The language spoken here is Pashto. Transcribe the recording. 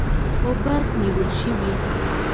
په برق نیول شوي